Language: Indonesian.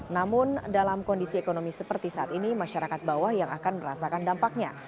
namun dalam kondisi ekonomi seperti saat ini masyarakat bawah yang akan merasakan dampaknya